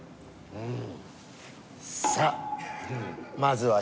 うん。